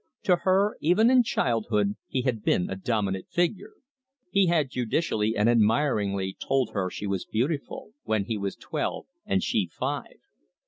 To her, even in childhood, he had been a dominant figure. He had judicially and admiringly told her she was beautiful when he was twelve and she five.